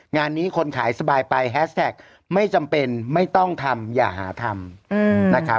งานนี้คนขายสบายไปแฮสแท็กไม่จำเป็นไม่ต้องทำอย่าหาทำนะครับ